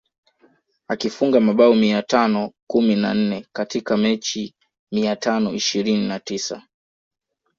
Akifunga mabao mia tano kumi na nne katika mechi mia tano ishirini na tisa